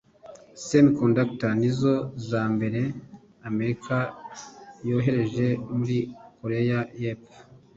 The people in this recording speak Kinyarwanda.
semiconductor nizo zambere amerika yohereje muri koreya yepfo